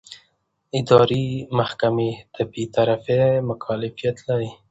اداري محکمې د بېطرفۍ مکلفیت لري.